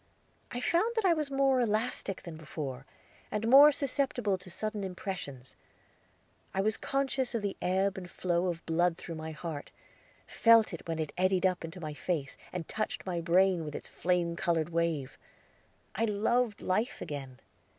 I found that I was more elastic than before, and more susceptible to sudden impressions; I was conscious of the ebb and flow of blood through my heart, felt it when it eddied up into my face, and touched my brain with its flame colored wave. I loved life again.